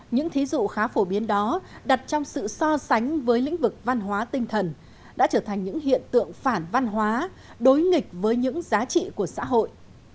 những thí dụ khá phổ biến đó đặt trong sự so sánh với lĩnh vực văn hóa tinh thần đã trở thành những hiện tượng phản văn hóa đối nghịch với những giá trị của xã hội